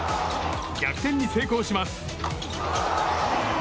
逆転に成功します。